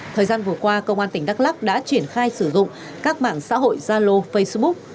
thời gian vừa qua công an tỉnh đắk lắc đã triển khai sử dụng các mạng xã hội zalo facebook